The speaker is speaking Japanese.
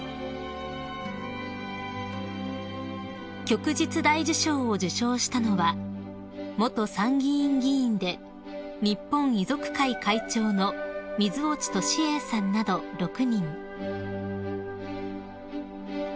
［旭日大綬章を受章したのは元参議院議員で日本遺族会会長の水落敏栄さんなど６人］